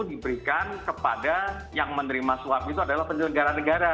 diberikan kepada yang menerima suap itu adalah penyelenggara negara